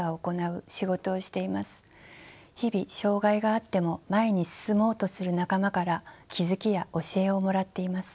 日々障がいがあっても前に進もうとする仲間から気付きや教えをもらっています。